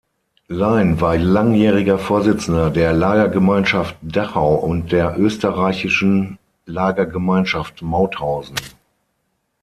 Lein war langjähriger Vorsitzender der Lagergemeinschaft Dachau und der Österreichischen Lagergemeinschaft Mauthausen.